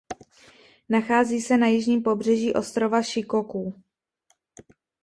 Nachází se na jižním pobřeží ostrova Šikoku.